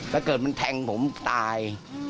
ถ้าเคยเพราะเกิดจะแพงผมก็ตาย